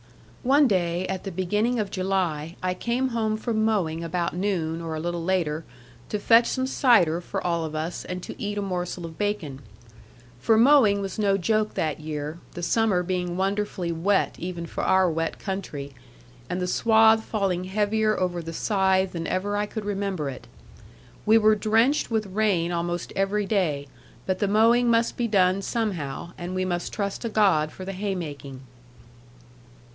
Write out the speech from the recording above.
One day at the beginning of July, I came home from mowing about noon, or a little later, to fetch some cider for all of us, and to eat a morsel of bacon. For mowing was no joke that year, the summer being wonderfully wet (even for our wet country), and the swathe falling heavier over the scythe than ever I could remember it. We were drenched with rain almost every day; but the mowing must be done somehow; and we must trust to God for the haymaking.